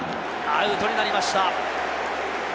アウトになりました。